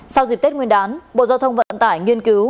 sau dịp tết nguyên đán bộ giao thông vận tải nghiên cứu